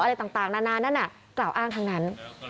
อะไรต่างนานานั่นน่ะกล่าวอ้างทั้งนั้น